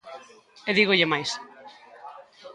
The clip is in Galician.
E dígolle máis.